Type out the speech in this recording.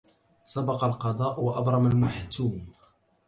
سبق القضاء وأبرم المحتوم